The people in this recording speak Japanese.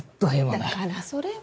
だからそれは。